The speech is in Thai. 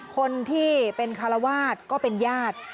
คนที่เป็นคารวาสก็เป็นญาติ